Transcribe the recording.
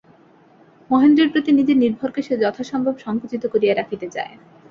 মহেন্দ্রের প্রতি নিজের নির্ভরকে সে যথাসম্ভব সংকুচিত করিয়া রাখিতে চায়।